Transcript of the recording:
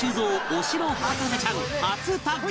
お城博士ちゃん初タッグ！